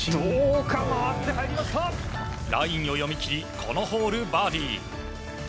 ラインを読みきりこのホール、バーディー。